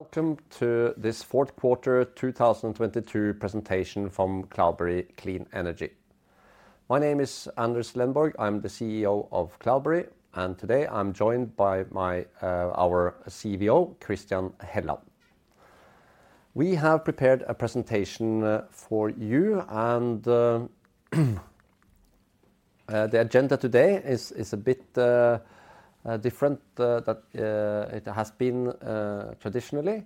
Welcome to this fourth quarter 2022 presentation from Cloudberry Clean Energy. My name is Anders Lenborg, I'm the CEO of Cloudberry, and today I'm joined by my our CVO, Christian Helland. We have prepared a presentation for you and the agenda today is a bit different than it has been traditionally.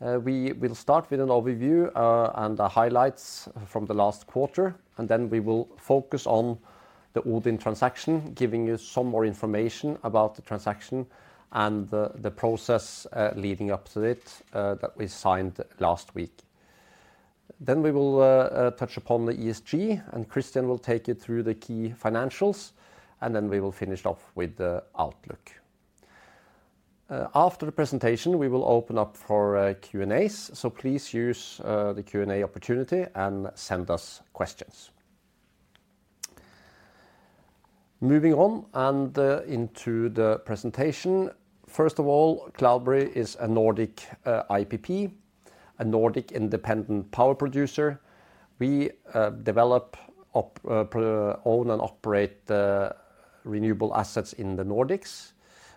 We will start with an overview and the highlights from the last quarter, and then we will focus on the Odin transaction, giving you some more information about the transaction and the process leading up to it that we signed last week. We will touch upon the ESG. Christian will take you through the key financials, and then we will finish off with the outlook. After the presentation, we will open up for Q&As, so please use the Q&A opportunity and send us questions. Moving on into the presentation, first of all, Cloudberry is a Nordic IPP, a Nordic independent power producer. We own and operate renewable assets in the Nordics.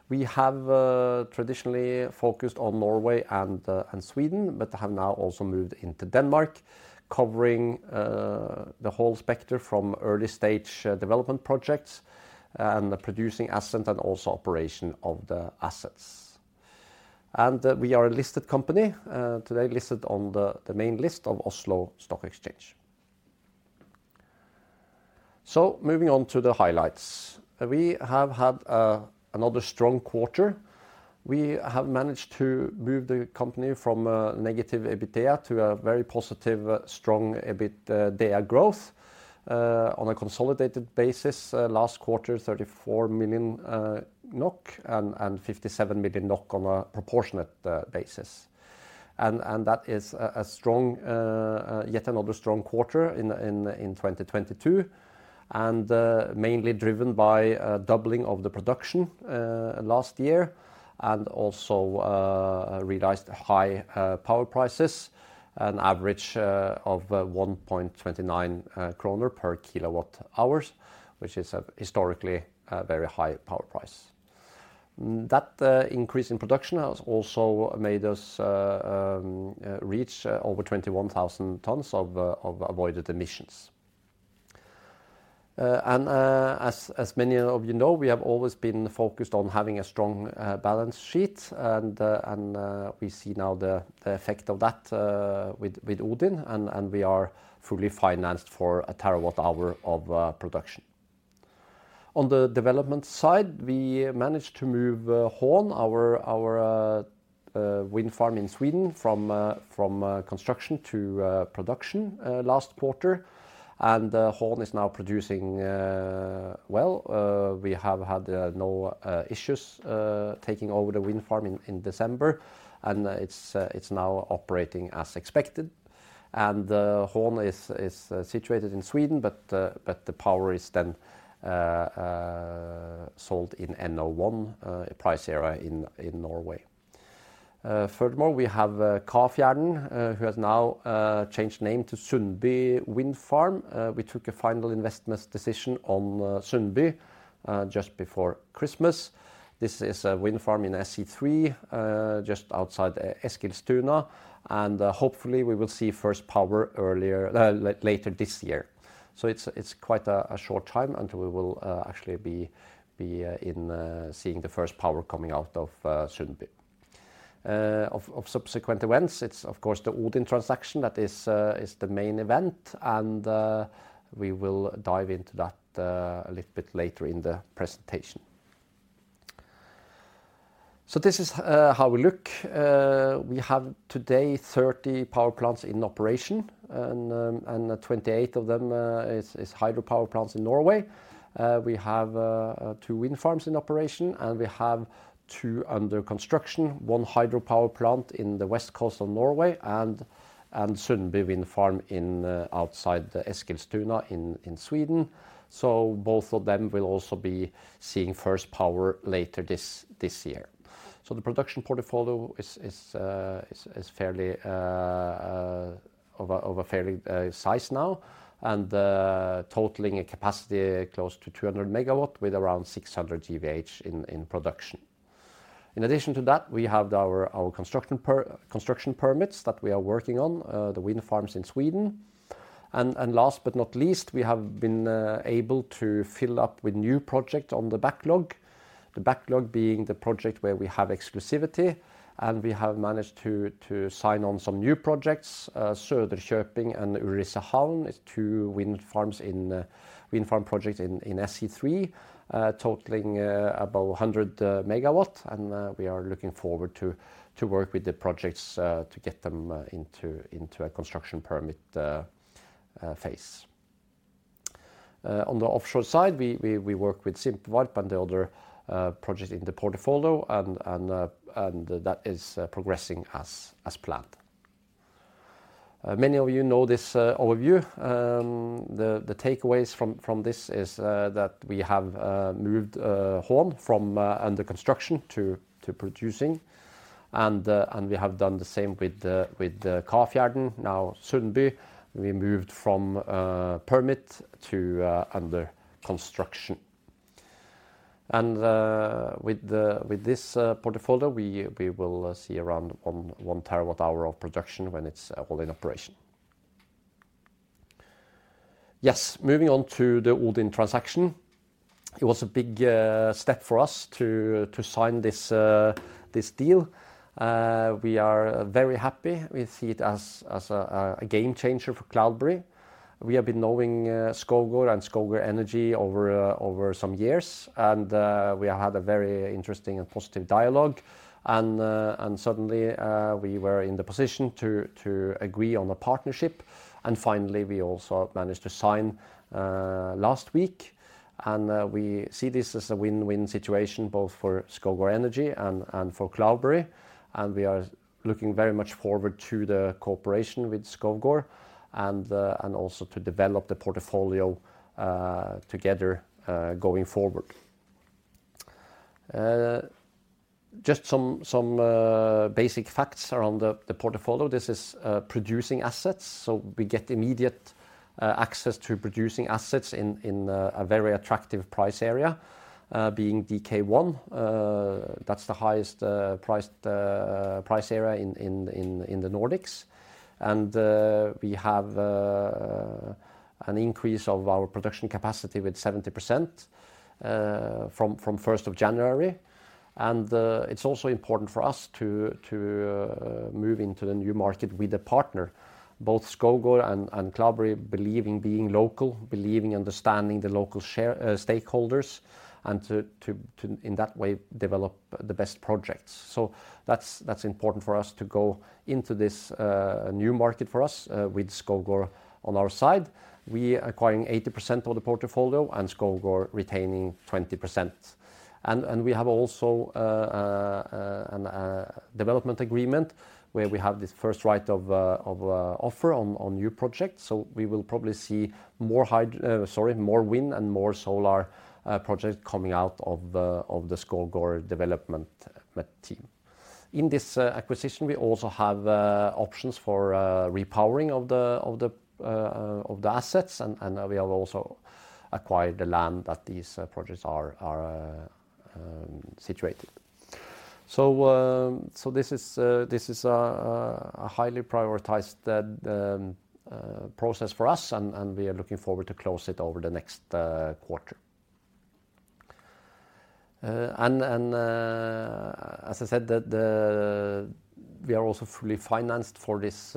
We have traditionally focused on Norway and Sweden, but have now also moved into Denmark, covering the whole spectrum from early stage development projects and producing assets and also operation of the assets. We are a listed company, today listed on the main list of Oslo Stock Exchange. Moving on to the highlights. We have had another strong quarter. We have managed to move the company from negative EBITDA to a very positive, strong EBITDA growth on a consolidated basis, last quarter 34 million NOK and 57 million NOK on a proportionate basis. That is a strong yet another strong quarter in 2022, mainly driven by a doubling of the production last year and also realized high power prices, an average of 1.29 kroner per kilowatt-hour, which is a historically very high power price. That increase in production has also made us reach over 21,000 tons of avoided emissions. A`nd as many of you know, we have always been focused on having a strong balance sheet and we see now the effect of that with Odin, and we are fully financed for a terawatt hour of production. On the development side, we managed to move Horn, our wind farm in Sweden, from construction to production last quarter. Horn is now producing well. We have had no issues taking over the wind farm in December, and it's now operating as expected. Horn is situated in Sweden, but the power is then sold in NO1 price area in Norway. Furthermore, we have Kafjärden, who has now changed name to Sundby Wind Farm. We took a final investment decision on Sundby just before Christmas. This is a wind farm in SE3, just outside Eskilstuna, and hopefully we will see first power later this year. It's quite a short time until we will actually be in seeing the first power coming out of Sundby. Of subsequent events, it's of course the Odin transaction that is the main event and we will dive into that a little bit later in the presentation. This is how we look. We have today 30 power plants in operation and 28 of them is hydropower plants in Norway. We have two wind farms in operation, and we have two under construction, one hydropower plant in the west coast of Norway and Sundby Wind Farm outside Eskilstuna in Sweden. Both of them will also be seeing first power later this year. The production portfolio is fairly of a fairly size now, and totaling a capacity close to 200 MW with around 600 GWh in production. In addition to that, we have our construction permits that we are working on, the wind farms in Sweden. Last but not least, we have been able to fill up with new project on the backlog. The backlog being the project where we have exclusivity, and we have managed to sign on some new projects, Söderköping and Ulricehamn, it's two wind farms in wind farm projects in SE3, totaling about 100 MW, and we are looking forward to work with the projects to get them into a construction permit phase. On the offshore side, we work with Simpevarp and the other projects in the portfolio and that is progressing as planned. Many of you know this overview. The takeaways from this is that we have moved Horn from under construction to producing. We have done the same with the Kärrfjället Sundby, we moved from permit to under construction. With this portfolio, we will see around 1 TWh of production when it's all in operation. Yes. Moving on to the Odin transaction. It was a big step for us to sign this deal. We are very happy. We see it as a game changer for Cloudberry. We have been knowing Skovgaard and Skovgaard Energy over some years. We had a very interesting and positive dialogue and suddenly we were in the position to agree on a partnership. Finally, we also managed to sign last week. We see this as a win-win situation both for Skovgaard Energy and for Cloudberry. We are looking very much forward to the cooperation with Skovgaard and also to develop the portfolio together going forward. Just some basic facts around the portfolio. This is producing assets. We get immediate access to producing assets in a very attractive price area, being DK1. That's the highest priced price area in the Nordics. We have an increase of our production capacity with 70% from first of January. It's also important for us to move into the new market with a partner. Both Skovgaard and Cloudberry believe in being local, believe in understanding the local stakeholders, and to in that way, develop the best projects. That's important for us to go into this new market for us with Skovgaard on our side. We acquiring 80% of the portfolio and Skovgaard retaining 20%. We have also a development agreement where we have this first right of offer on new projects. We will probably see more wind and more solar projects coming out of the Skovgaard development team. In this acquisition, we also have options for repowering of the assets. We have also acquired the land that these projects are situated. This is a highly prioritized process for us, and we are looking forward to close it over the next quarter. As I said, we are also fully financed for this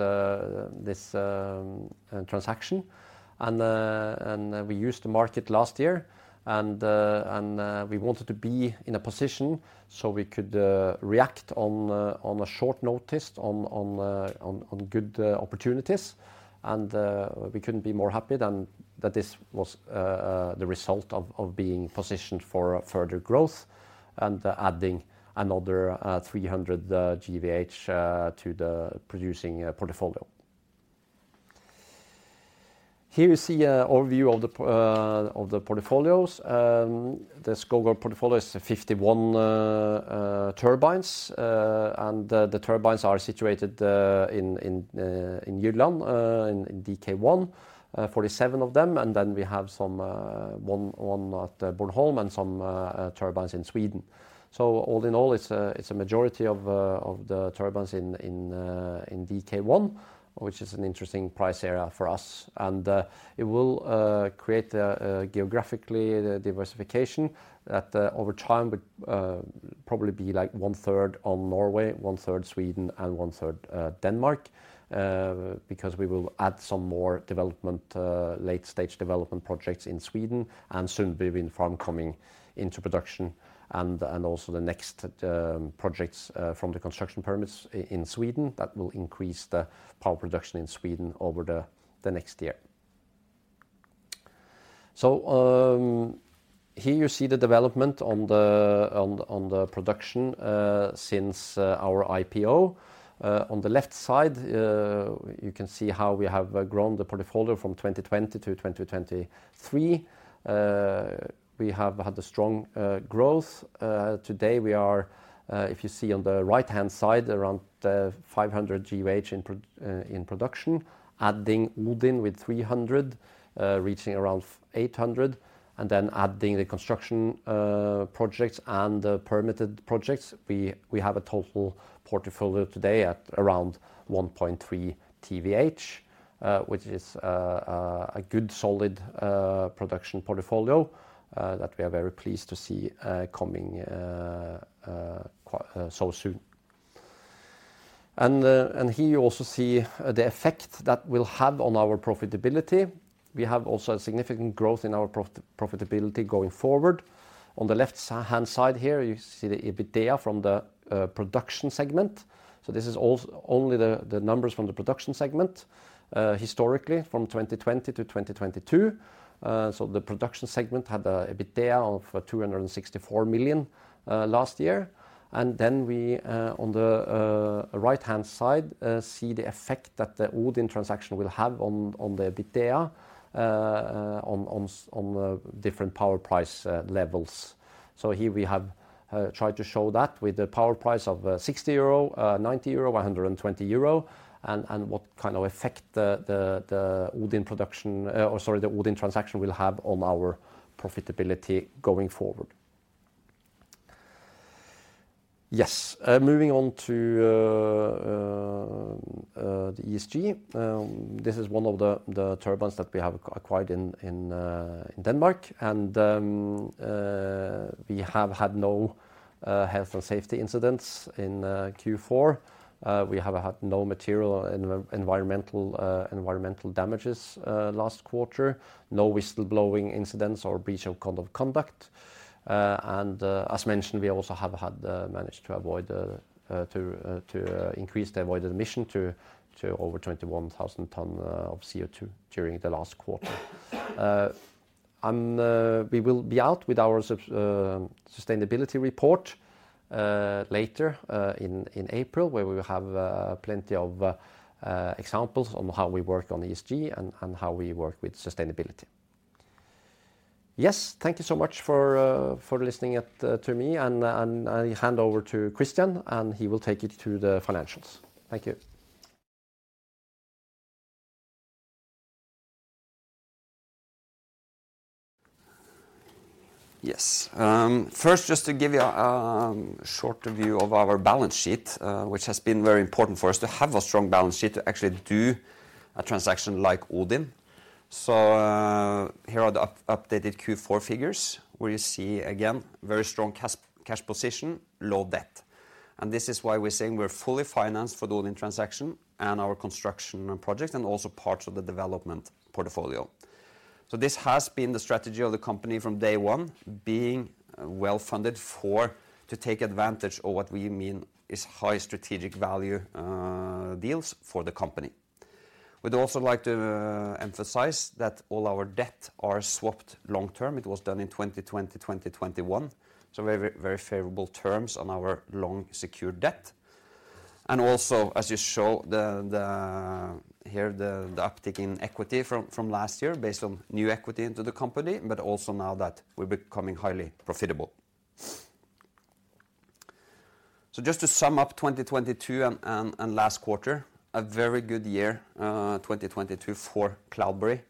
transaction. We used the market last year, and we wanted to be in a position so we could react on a short notice on good opportunities. We couldn't be more happy than that this was the result of being positioned for further growth and adding another 300 GWh to the producing portfolio. Here you see an overview of the portfolios. The Skovgaard portfolio is a 51 turbines. The turbines are situated in Jylland in DK one, 47 of them. Then we have some one at Bornholm and some turbines in Sweden. All in all, it's a majority of the turbines in DK one, which is an interesting price area for us. It will create a geographically diversification that over time would probably be like 1/3 on Norway, 1/3 Sweden, and 1/3 Denmark. We will add some more development late-stage development projects in Sweden and Sundby wind farm coming into production and also the next projects from the construction permits in Sweden that will increase the power production in Sweden over the next year. Development on the production since our IPO. On the left side, you can see how we have grown the portfolio from 2020 to 2023. We have had a strong growth. Today we are, if you see on the right-hand side, around 500 GWh in production, adding Odin with 300, reaching around 800. Then adding the construction projects and the permitted projects, we have a total portfolio today at around 1.3 TWh, which is a good solid production portfolio that we are very pleased to see coming so soon. Here you also see the effect that will have on our profitability We have also a significant growth in our profitability going forward. On the left hand side here, you see the EBITDA from the production segment. This is only the numbers from the production segment, historically from 2020 to 2022. The production segment had an EBITDA of 264 million last year. We on the right-hand side see the effect that the Odin transaction will have on the EBITDA on the different power price levels. Here we have tried to show that with the power price of 60 euro, 90 euro, 120 euro, and what kind of effect the Odin transaction will have on our profitability going forward. Yes. Moving on to the ESG. This is one of the turbines that we have acquired in Denmark. We have had no health and safety incidents in Q4. We have had no material environmental damages last quarter. No whistleblowing incidents or breach of code of conduct. As mentioned, we also have managed to avoid to increase the avoided emission to over 21,000 tons of CO2 during the last quarter. We will be out with our sustainability report later in April, where we will have plenty of examples on how we work on ESG and how we work with sustainability. Yes. Thank you so much for listening to me. I hand over to Christian, and he will take it to the financials. Thank you. Yes. First, just to give you a short review of our balance sheet, which has been very important for us to have a strong balance sheet to actually do a transaction like Odin. Here are the updated Q4 figures, where you see again very strong cash position, low debt. This is why we're saying we're fully financed for the Odin transaction and our construction projects and also parts of the development portfolio. This has been the strategy of the company from day one, being well-funded for to take advantage of what we mean is high strategic value deals for the company. We'd also like to emphasize that all our debt are swapped long-term. It was done in 2020, 2021, so very, very favorable terms on our long secured debt. As you show the uptick in equity from last year based on new equity into the company, but also now that we're becoming highly profitable. Just to sum up 2022 and last quarter, a very good year, 2022 for Cloudberry.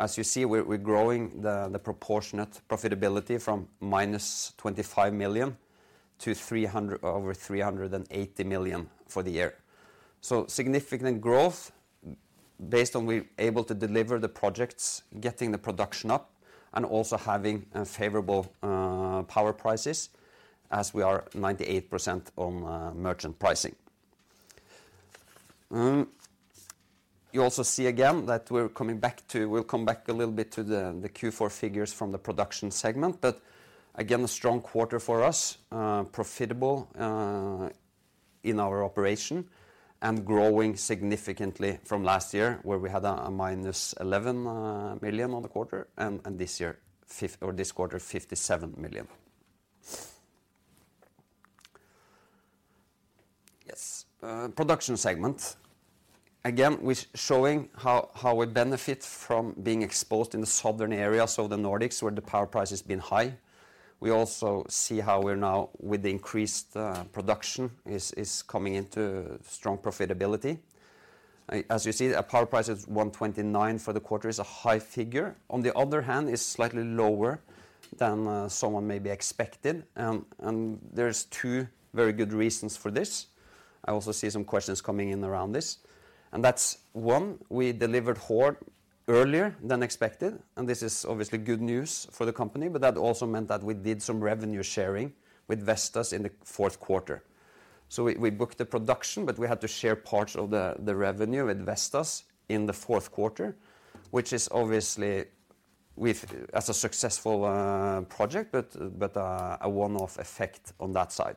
As you see, we're growing the proportionate profitability from -25 million to over 380 million for the year. Significant growth based on we're able to deliver the projects, getting the production up, and also having favorable power prices as we are 98% on merchant pricing. You also see again that we'll come back a little bit to the Q4 figures from the production segment. Again, a strong quarter for us, profitable in our operation and growing significantly from last year where we had a minus 11 million on the quarter, and this quarter, 57 million. Yes. Production segment. Again, we're showing how we benefit from being exposed in the southern areas of the Nordics where the power price has been high. We also see how we're now with increased production is coming into strong profitability. As you see, a power price is 129 for the quarter is a high figure. On the other hand, it's slightly lower than someone maybe expected, and there's two very good reasons for this. I also see some questions coming in around this. That's one, we delivered Horn earlier than expected, and this is obviously good news for the company, but that also meant that we did some revenue sharing with Vestas in the 4th quarter. We booked the production, but we had to share parts of the revenue with Vestas in the 4th quarter, which is obviously with as a successful project, but a one-off effect on that side.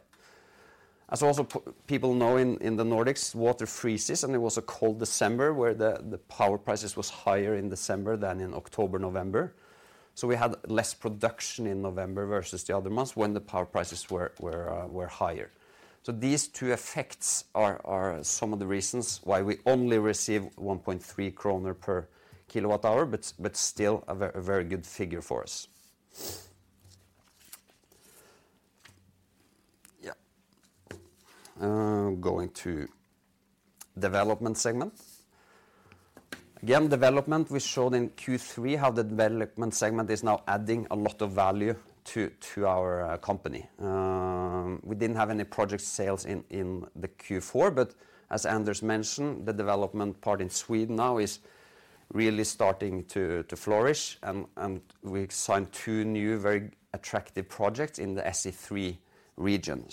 As also people know in the Nordics, water freezes, and it was a cold December where the power prices was higher in December than in October, November. We had less production in November versus the other months when the power prices were higher. These two effects are some of the reasons why we only receive 1.3 kroner per kWh, but still a very good figure for us. Yeah. Going to development segment. Again, development, we showed in Q3 how the development segment is now adding a lot of value to our company. We didn't have any project sales in the Q4, but as Anders mentioned, the development part in Sweden now is really starting to flourish and we signed two new very attractive projects in the SE3 region.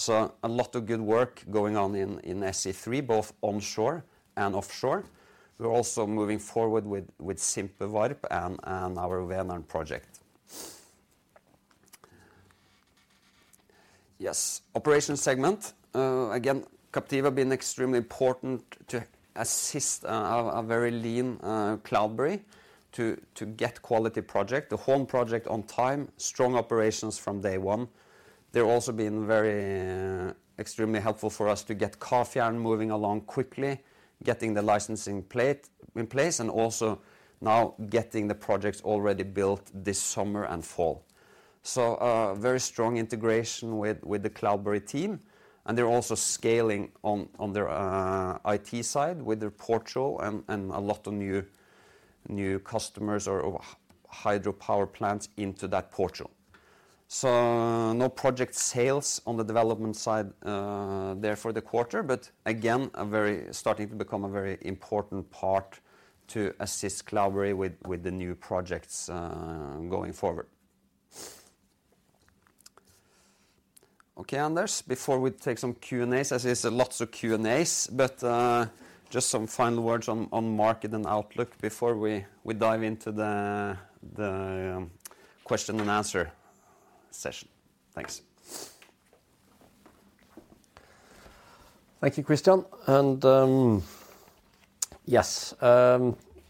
A lot of good work going on in SE3, both onshore and offshore. We're also moving forward with Simpevarp and our Värnamo project. Yes. Operation segment. Again, Captiva been extremely important to assist a very lean Cloudberry to get quality project, the Horn project on time, strong operations from day one. They're also been very extremely helpful for us to get Kafjärden moving along quickly, getting the licensing plate in place, and also now getting the projects already built this summer and fall. Very strong integration with the Cloudberry team, and they're also scaling on their IT side with their portal and a lot of new customers or hydro power plants into that portal. No project sales on the development side, there for the quarter. Again, a very, Starting to become a very important part to assist Cloudberry with the new projects, going forward. Okay, Anders, before we take some Q&As, as there's lots of Q&As, but just some final words on market and outlook before we dive into the question and answer session. Thanks. Thank you, Christian. Yes,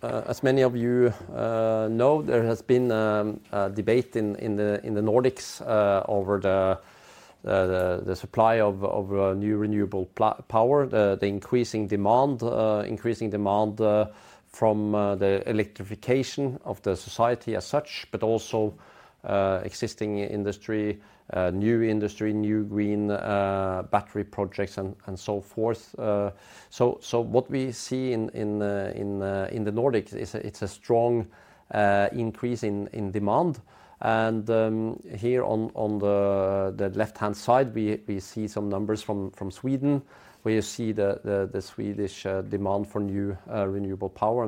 as many of you know, there has been a debate in the Nordics, over the supply of new renewable power, the increasing demand, from the electrification of the society as such, but also existing industry, new industry, new green battery projects and so forth. What we see in the Nordics is it's a strong increase in demand. Here on the left-hand side, we see some numbers from Sweden, where you see the Swedish demand for new renewable power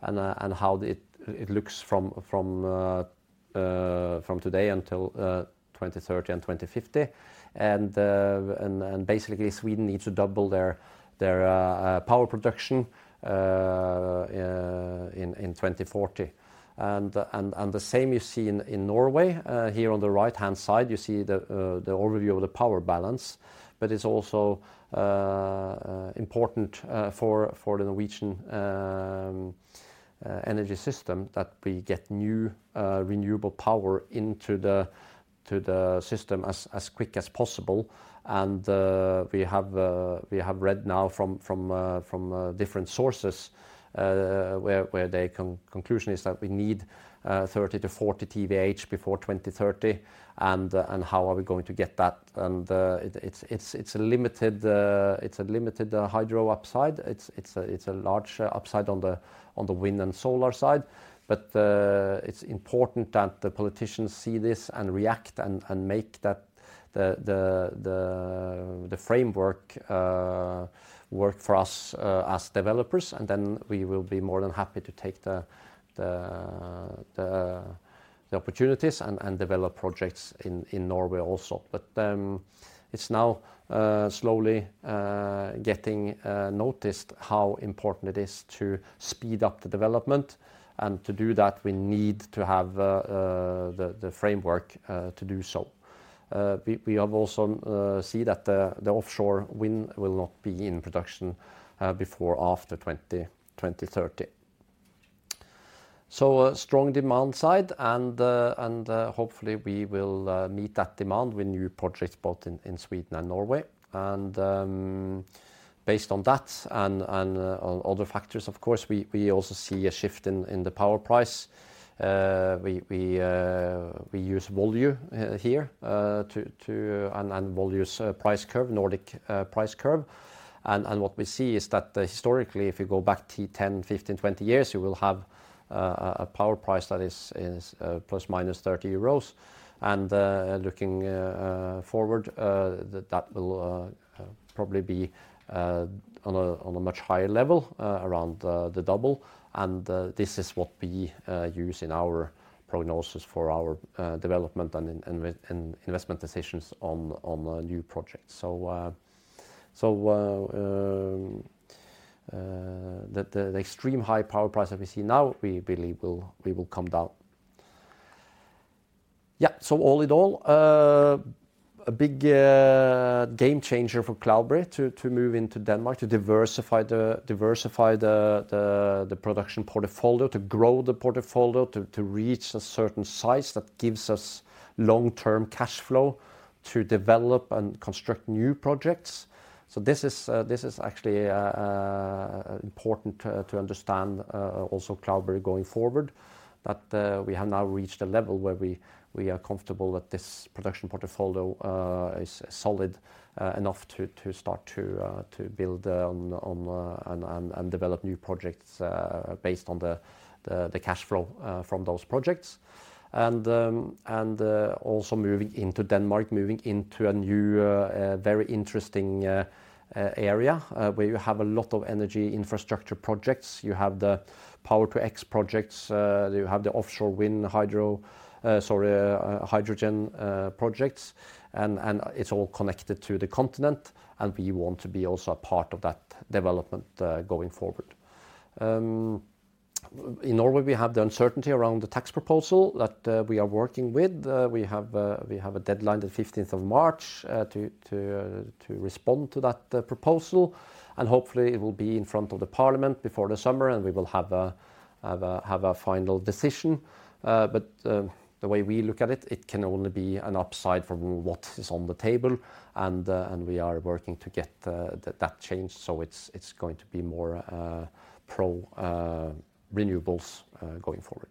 and how it looks from today until 2030 and 2050. Basically Sweden needs to double their power production in 2040. The same you see in Norway. Here on the right-hand side, you see the overview of the power balance. It's also important for the Norwegian energy system that we get new renewable power into the system as quick as possible. We have read now from different sources where the conclusion is that we need 30 TWh-40 TWh before 2030. How are we going to get that? It's a limited hydro upside. It's a large upside on the wind and solar side. It's important that the politicians see this and react and make that the framework work for us as developers, and then we will be more than happy to take the opportunities and develop projects in Norway also. It's now slowly getting noticed how important it is to speed up the development and to do that we need to have the framework to do so. We have also see that the offshore wind will not be in production before after 2030. A strong demand side and hopefully we will meet that demand with new projects both in Sweden and Norway. Based on that and on other factors, of course, we also see a shift in the power price. We use Volue here. Volue's price curve, Nordic price curve. What we see is that historically if you go back 10, 15, 20 years, you will have a power price that is plus minus 30 euros. Looking forward, that will probably be on a much higher level around the double. This is what we use in our prognosis for our development and investment decisions on new projects. The extreme high power price that we see now, we believe we will come down. Yeah. All in all, a big game changer for Cloudberry to move into Denmark, to diversify the production portfolio, to grow the portfolio, to reach a certain size that gives us long-term cash flow to develop and construct new projects. This is actually important to understand also Cloudberry going forward, that we have now reached a level where we are comfortable that this production portfolio is solid enough to start to build on and develop new projects based on the cash flow from those projects. Also moving into Denmark, moving into a new, very interesting area, where you have a lot of energy infrastructure projects. You have the Power-to-X projects, you have the offshore wind hydro, sorry, hydrogen projects, and it's all connected to the continent, and we want to be also a part of that development going forward. In Norway, we have the uncertainty around the tax proposal that we are working with. We have a deadline the 15th of March to respond to that proposal, and hopefully it will be in front of the parliament before the summer, and we will have a final decision. The way we look at it can only be an upside from what is on the table and we are working to get that changed so it's going to be more pro renewables going forward.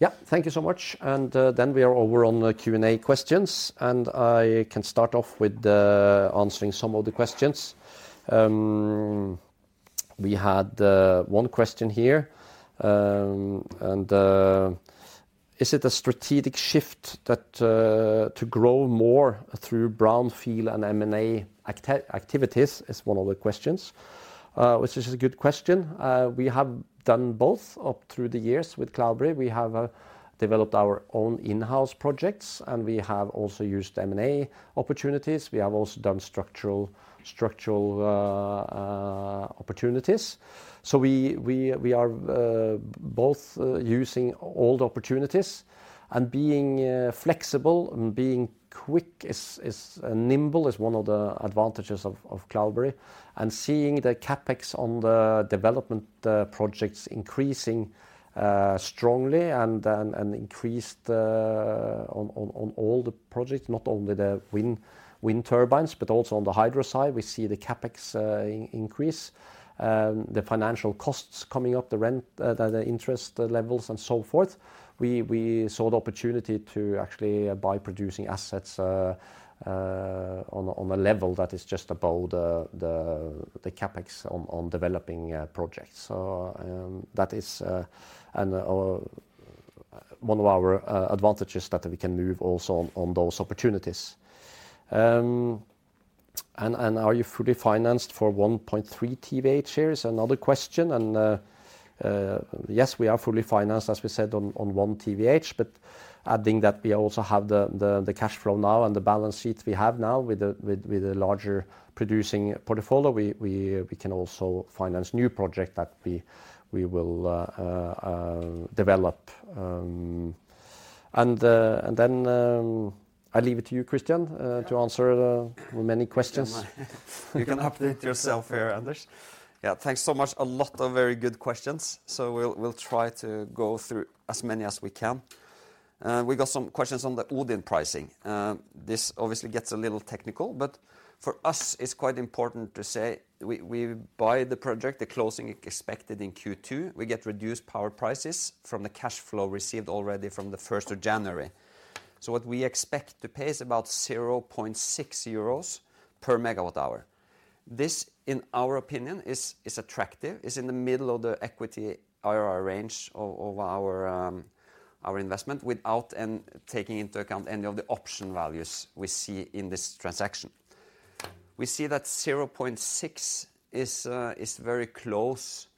Yeah, thank you so much. Then we are over on the Q&A questions, and I can start off with the answering some of the questions. We had one question here, and "Is it a strategic shift that to grow more through brownfield and M&A activities?" is one of the questions. Which is a good question. We have done both up through the years with Cloudberry. We have developed our own in-house projects, and we have also used M&A opportunities. We have also done structural opportunities. We are both using old opportunities and being flexible and being quick is. Nimble is one of the advantages of Cloudberry. Seeing the CapEx on the development projects increasing strongly and increased on all the projects, not only the wind turbines but also on the hydro side, we see the CapEx increase. The financial costs coming up, the rent, the interest levels and so forth, we saw the opportunity to actually buy producing assets on a level that is just about the CapEx on developing projects. That is and one of our advantages that we can move also on those opportunities. "Are you fully financed for 1.3 TWh?" Here is another question. Yes, we are fully financed, as we said, on 1 TWh. Adding that we also have the cash flow now and the balance sheet we have now with a larger producing portfolio, we can also finance new project that we will develop. I leave it to you, Christian. Yeah to answer many questions. You can update yourself here, Anders. Yeah. Thanks so much. A lot of very good questions, we'll try to go through as many as we can. We got some questions on the Odin pricing. This obviously gets a little technical, but for us it's quite important to say we buy the project, the closing expected in Q2. We get reduced power prices from the cash flow received already from the 1st of January. What we expect to pay is about 0.6 euros per MWh. This, in our opinion, is attractive, it's in the middle of the equity IRR range of our investment without and taking into account any of the option values we see in this transaction. We see that 0.6 is very close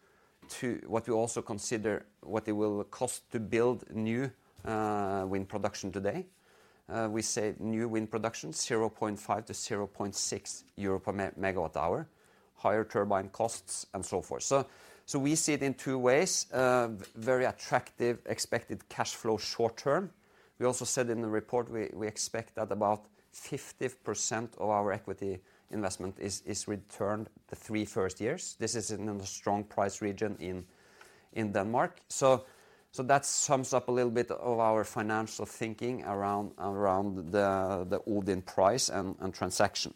to what we also consider what it will cost to build new wind production today. We say new wind production, 0.5-0.6 euro per MWh, higher turbine costs and so forth. We see it in two ways. Very attractive expected cash flow short-term. We also said in the report we expect that about 50% of our equity investment is returned the three first years. This is in a strong price region in Denmark. That sums up a little bit of our financial thinking around the Odin price and transaction.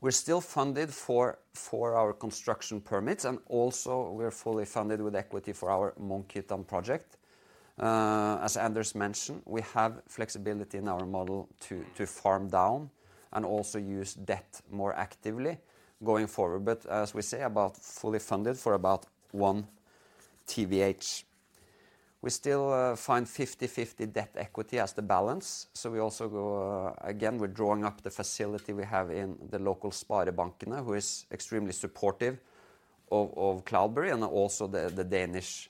We're still funded for our construction permits, and also we're fully funded with equity for our Munketun project. As Anders mentioned, we have flexibility in our model to farm down and also use debt more actively going forward. As we say, about fully funded for about 1 TWh. We still find 50/50 debt equity as the balance, we also go. We're drawing up the facility we have in the local SpareBank one who is extremely supportive of Cloudberry and also the Danish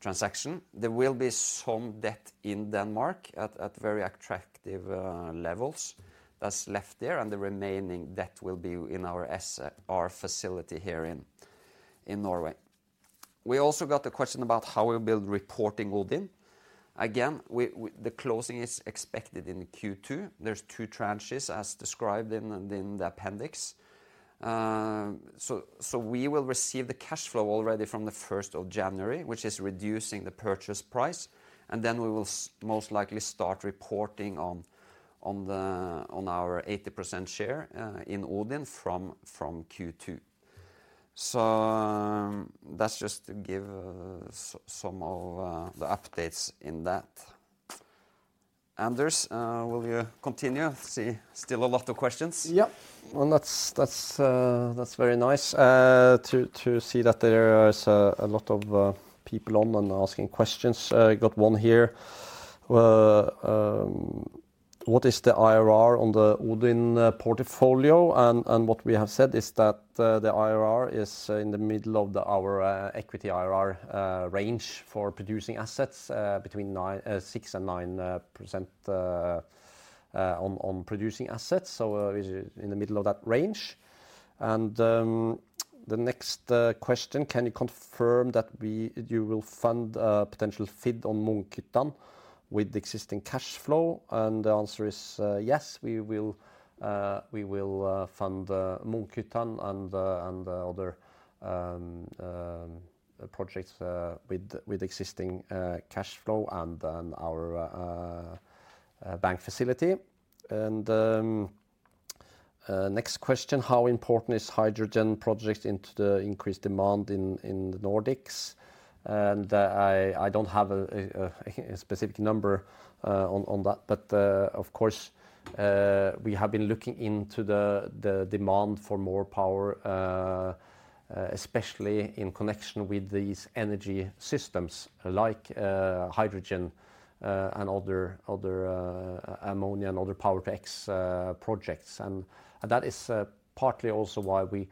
transaction. There will be some debt in Denmark at very attractive levels that's left there, and the remaining debt will be in our asset, our facility here in Norway. We also got a question about how we build reporting Odin. The closing is expected in Q2. There's two tranches as described in the appendix. We will receive the cash flow already from the 1st of January, which is reducing the purchase price. Then we will most likely start reporting on the, on our 80% share in Odin from Q2. That's just to give some of the updates in that. Anders, will you continue? See still a lot of questions. Yeah. Well, that's very nice to see that there is a lot of people on and asking questions. I got one here. "What is the IRR on the Odin portfolio?" What we have said is that the IRR is in the middle of our equity IRR range for producing assets, between 6% and 9% on producing assets, so is in the middle of that range. The next question, "Can you confirm that you will fund potential FID on Munketun with existing cash flow?" The answer is yes, we will fund Munketun and the other projects with existing cash flow and then our bank facility. Next question, "How important is hydrogen projects into the increased demand in the Nordics?" I don't have a specific number on that, but of course, we have been looking into the demand for more power, especially in connection with these energy systems like hydrogen and other ammonia and other Power-to-X projects. That is partly also why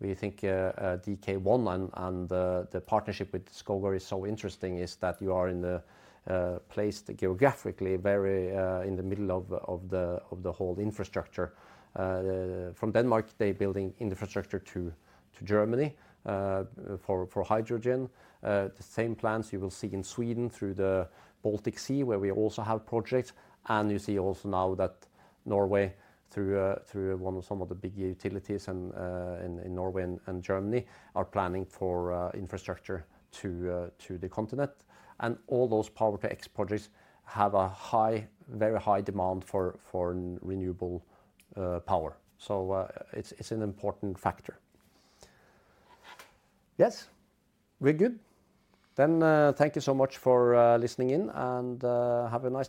we think DK1 and the partnership with Skovgaard is so interesting, is that you are in the place geographically very in the middle of the whole infrastructure. From Denmark, they're building infrastructure to Germany for hydrogen. The same plans you will see in Sweden through the Baltic Sea, where we also have projects. You see also now that Norway through through one of some of the big utilities and in Norway and Germany are planning for infrastructure to to the continent. All those Power-to-X projects have a high, very high demand for for renewable power. It's an important factor. Yes. We're good. Thank you so much for listening in and have a nice day.